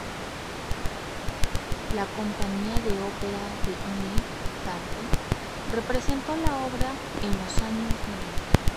La Compañía de ópera D'Oyly Carte representó la obra en los años noventa.